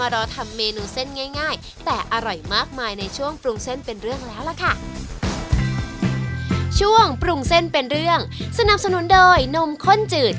ช่วงปรุงเส้นเป็นเรื่องสนับสนุนโดยนมข้นจืด